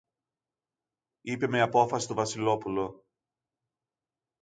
είπε με απόφαση το Βασιλόπουλο.